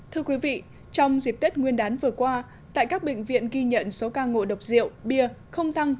thưa quý vị trong dịp tết nguyên đán vừa qua tại các bệnh viện ghi nhận số ca ngộ độc rượu bia không tăng